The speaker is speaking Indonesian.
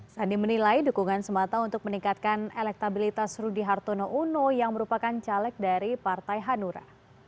sandi menilai dukungan semata untuk meningkatkan elektabilitas rudy hartono uno yang merupakan caleg dari partai hanura